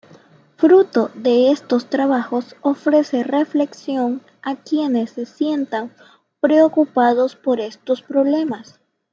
Fruto de estos trabajos ofrece reflexión a quienes se sientan preocupados por estos problemas.